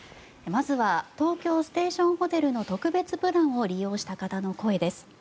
まずは東京ステーションホテルの特別プランを利用した方の声です。